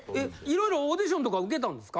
色々オーディションとか受けたんですか？